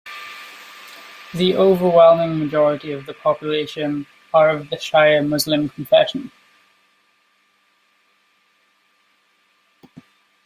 The overwhelming majority of the population are of the Shia Muslim confession.